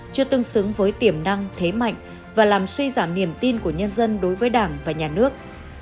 chưa tương xứng với tiềm năng thế mạnh và làm suy giảm niềm tin của nhân dân đối với đảng và nhà nước